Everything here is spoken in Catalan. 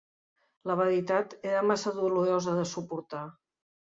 La veritat era massa dolorosa de suportar.